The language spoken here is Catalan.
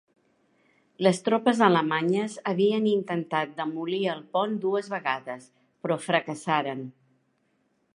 Les tropes alemanyes havien intentat demolir el pont dues vegades, però fracassaren.